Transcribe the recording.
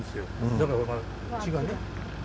だから血がね。